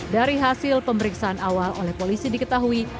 dari hasil pemeriksaan awal oleh polisi diketahui